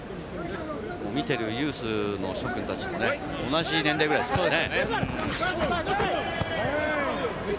見てるユースの諸君たちも同じ年齢ぐらいですからね。